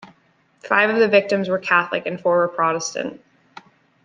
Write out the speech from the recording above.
Five of the victims were Catholic and four were Protestant.